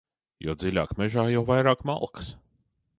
Jo dziļāk mežā, jo vairāk malkas.